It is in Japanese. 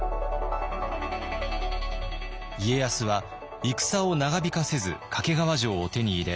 家康は戦を長引かせず懸川城を手に入れ